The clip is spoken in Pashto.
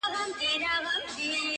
چي كوڅې يې وې ښايستې په پېغلو حورو،